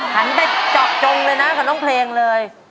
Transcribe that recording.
อ๋อหันไปจอบจงเลยนะกับตรงเพลงเลย